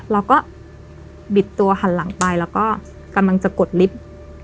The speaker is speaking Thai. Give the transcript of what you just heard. บิดตัวหันหลังไปแล้วก็กำลังจะกดลิฟต์